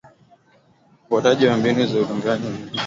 Ufuataji wa mbinu za utungishaji mimba zinazopendekezwa